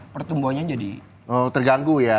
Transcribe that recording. pertumbuhannya jadi terganggu ya